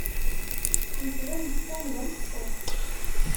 Yettban-d Tom d amecṭuḥ.